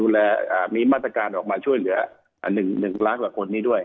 และมีมาตรการออกมาช่วยเหลือ๑ล้านกว่าคนนี้ด้วย